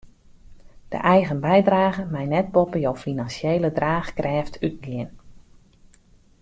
De eigen bydrage mei net boppe jo finansjele draachkrêft útgean.